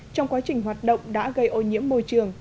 trong quá trình hoạt động đã gây ô nhiễm môi trường